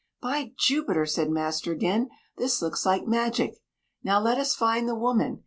"By Jupiter," said master again, "this looks like magic. Now, let us find the woman.